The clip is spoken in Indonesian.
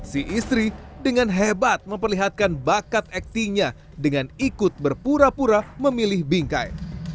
si istri dengan hebat memperlihatkan bakat aktinya dengan ikut berpura pura memilih bingkai